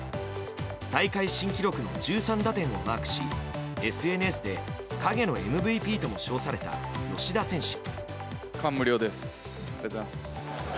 大会新記録の１３打点をマークしＳＮＳで影のＭＶＰとも称された吉田選手。